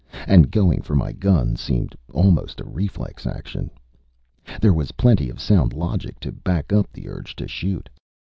And going for my gun seemed almost a reflex action. There was plenty of sound logic to back up the urge to shoot.